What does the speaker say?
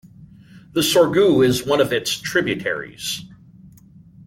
The Sorgue is one of its tributaries.